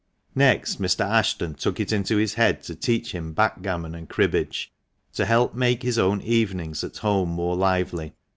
Next Mr. Ashton took it into his head to teach him backgammon and cribbage, to help to make his own evenings at home more lively.